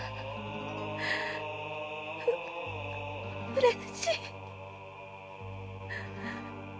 う嬉しい！